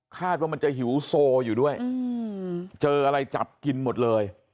คาดว่ามันจะหิวโซอยู่ด้วยเจออะไรจับกินหมดเลย